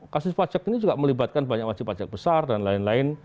kasus pajak ini juga melibatkan banyak wajib pajak besar dan lain lain